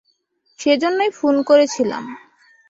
সেজন্যই ফোন করেছিলাম।